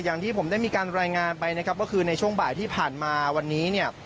อย่างที่ผมได้มีการรายงานไปนะครับก็คือในช่วงบ่ายที่ผ่านมาวันนี้เนี่ย